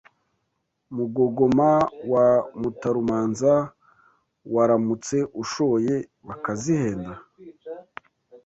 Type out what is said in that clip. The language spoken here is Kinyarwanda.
Mugogoma wa Mutarumanza waramutse ushoye bakazihenda